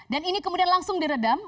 dan ini kemudian langsung di redam